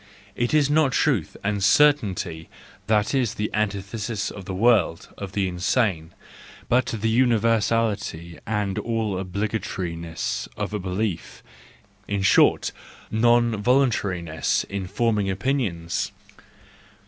It is not truth and certainty that is the antithesis of the world of the insane, but the universality and all obligatoriness of a belief, in short, non voluntariness in forming opinions.